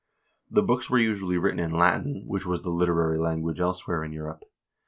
The books were usually written in Latin, which was the literary language elsewhere in Europe.